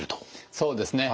そうですね。